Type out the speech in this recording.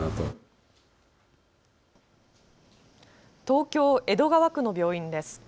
東京江戸川区の病院です。